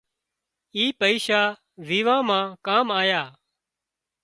اي پئيشا ويوان مان ڪام آيا